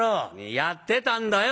「やってたんだよ